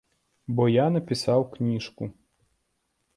Бо я напісаў кніжку.